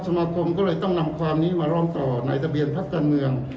สมาคมก็เลยต้องนำความนี้มาร้องต่อในทะเบียนพักการเมือง